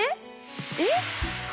えっ？